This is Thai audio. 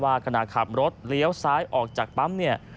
ขณะขับรถเลี้ยวซ้ายออกจากปั๊มเนี่ย